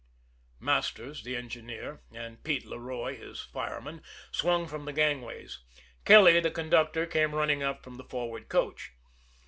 Masters, the engineer, and Pete Leroy, his fireman, swung from the gangways; Kelly, the conductor, came running up from the forward coach.